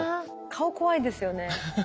顔怖いですよね。